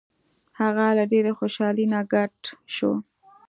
هغه له ډیرې خوشحالۍ نه ګډ شو.